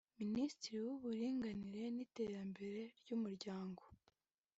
Minisitiri w’uburinganire n’iterambere ry’umuryango